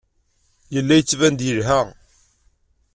Yella yettban-d yelha.